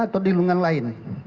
atau di lingkungan lain